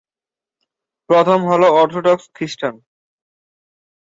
প্রথম হলো অর্থোডক্স খ্রিষ্টান।